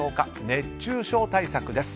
熱中症対策です。